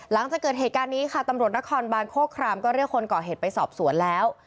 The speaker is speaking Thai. หลังจากเกิดเหตุการณ์นี้ค่ะตำรวจนครบานโคครามก็เรียกคนก่อเหตุไปสอบสวนแล้ว